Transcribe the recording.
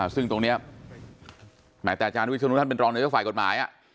ซึ่งตรงนี้หมายแต่อาจารย์วิศนุบัติธรรมเป็นรองในศักดิ์ฝ่ายกฎหมาย